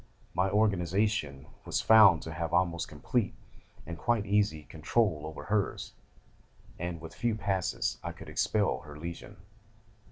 My organisation was found to have almost complete, and quite easy, control over hers, and with a few passes I could expel her Legion.